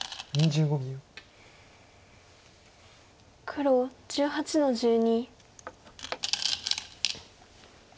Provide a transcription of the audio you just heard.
黒１８の十二。